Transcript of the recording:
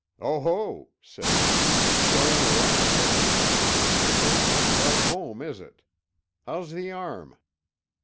"Oho," said he, "stirrin' round, eh? This ain't much like home, is it? How's the arm?"